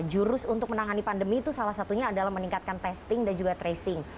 jurus untuk menangani pandemi itu salah satunya adalah meningkatkan testing dan juga tracing